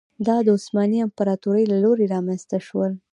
دا د عثماني امپراتورۍ له لوري رامنځته شول.